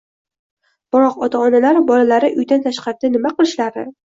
Biroq ota-onalar bolalari uydan tashqarida nima qilishlari